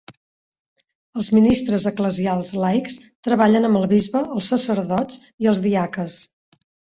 Els ministres eclesials laics treballen amb el bisbe, els sacerdots i els diaques.